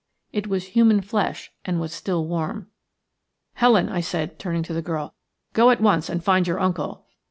It was human flesh and was still warm. "Helen," I said, turning to the girl, "go at once and find your uncle."